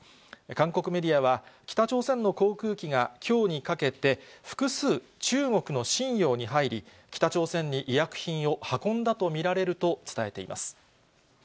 韓国メディアは、北朝鮮の航空機がきょうにかけて複数、中国の瀋陽に入り、北朝鮮に医薬品を運んだと見られると伝えています。